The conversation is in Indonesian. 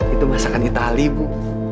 itu masakan itali bu